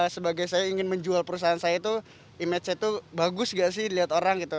sebagai saya ingin menjual perusahaan saya itu image saya tuh bagus gak sih dilihat orang gitu